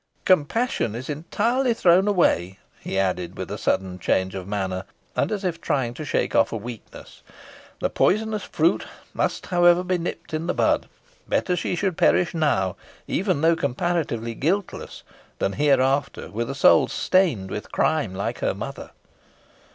"Compassion is entirely thrown away," he added, with a sudden change of manner, and as if trying to shake off a weakness. "The poisonous fruit must, however, be nipped in the bud. Better she should perish now, even though comparatively guiltless, than hereafter with a soul stained with crime, like her mother."